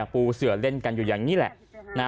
ปูเสือเล่นกันอยู่อย่างนี้แหละ